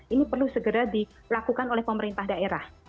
ini perlu segera dilakukan oleh pemerintah daerah